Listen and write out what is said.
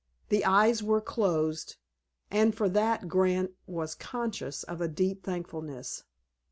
The eyes were closed, and for that Grant was conscious of a deep thankfulness.